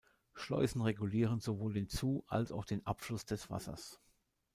Schleusen regulieren sowohl den Zu- als auch den Abfluss des Wassers.